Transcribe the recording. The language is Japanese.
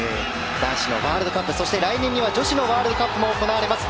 男子のワールドカップそして来年には女子のワールドカップも行われます。